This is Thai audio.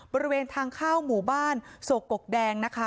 บริเวณทางเข้าหมู่บ้านโศกกแดงนะคะ